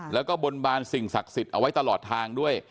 แล้วก็บนบานสิ่งศักดิ์สิทธิ์เอาไว้ตลอดทางด้วย